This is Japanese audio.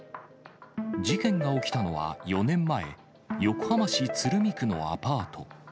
事件が起きたのは４年前、横浜市鶴見区のアパート。